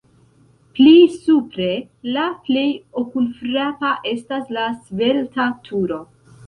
Pli supre la plej okulfrapa estas la svelta turo.